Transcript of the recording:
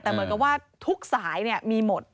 แต่เหมือนกับว่าทุกสายมีหมด